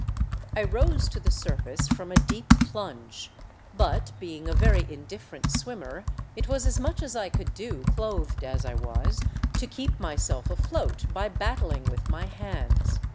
I ROSE to the surface from a deep plunge, but being a very indifferent swimmer it was as much as I could do — clothed as I was — to keep myself afloat by battling with my hands.